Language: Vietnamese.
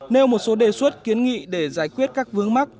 nêu một số đề xuất kiến nghị để giải quyết các vướng mắc